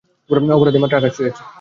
অপরাধের মাত্রা আকাশ ছুঁয়েছে।